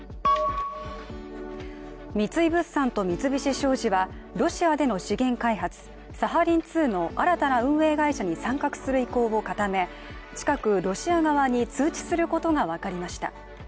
三井物産と三菱商事はロシアでの資源開発サリン２の新たな運営会社に参画する意向を固め近くロシア側に通知することが分かりました。